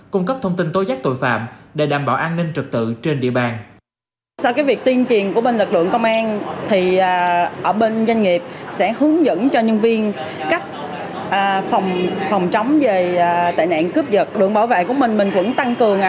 cung cấp thông tin tối giác tội phạm để đảm bảo an ninh trực tự trên địa bàn